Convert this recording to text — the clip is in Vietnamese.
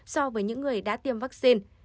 so với những người đã tiêm vaccine